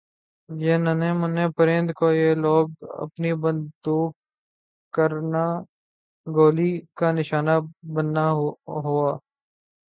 یِہ ننھے مننھے پرند کو یِہ لوگ اپنی بندوق کرنا گولی کا نشانہ بننا ہونا